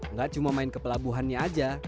nggak cuma main ke pelabuhannya aja